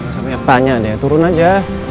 sama yang tanya deh turun aja